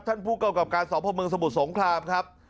ท่านผู้เก่ากับการสพมสมุทรสมุทรสงคราม